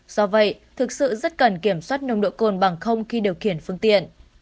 do vậy thực sự rất cần kiểm soát nồng độ cồn bằng không khi điều khiển phương tiện